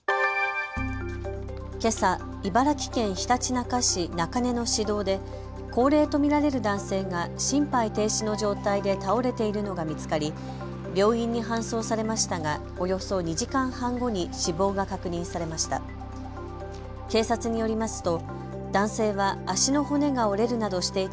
けさ茨城県ひたちなか市中根の市道で高齢と見られる男性が心肺停止の状態で倒れているのが見つかり病院に搬送されましたがおよそ２時間半後に死亡が確認されました。